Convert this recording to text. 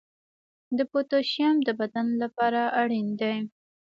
د پوتاشیم د بدن لپاره اړین دی.